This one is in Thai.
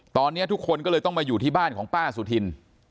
ตอนนี้ทุกคนก็เลยต้องมาอยู่ที่บ้านของป้าสุธิน